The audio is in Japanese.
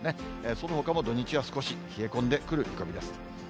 そのほかも土日は少し冷え込んでくる見込みです。